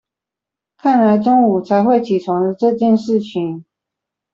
看來中午才會起床的這件事情